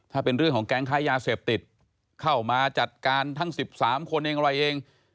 ถ้าเป็นเรื่องของแก๊งค้ายาเสพติดเข้ามาจัดการทั้ง๑๓คนเองอะไรเอง